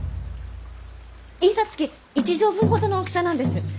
印刷機一畳分ほどの大きさなんです。